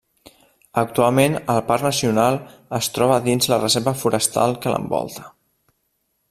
Actualment el parc nacional es troba dins la reserva forestal que l'envolta.